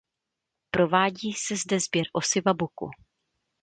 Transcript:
Provádí se zde sběr osiva buku.